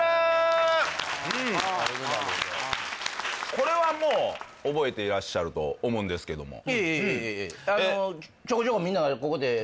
これはもう覚えていらっしゃると思うんですけどもええええええええ